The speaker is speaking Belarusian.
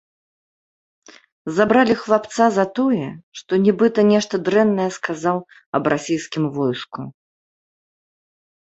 Забралі хлапца за тое, што нібыта нешта дрэннае сказаў аб расійскім войску.